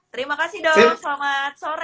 terima kasih dok selamat sore